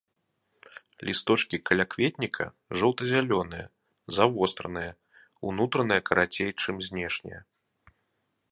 Лісточкі калякветніка жоўта-зялёныя, завостраныя, унутраныя карацей чым знешнія.